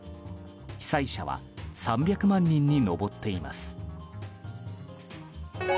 被災者は３００万人に上っています。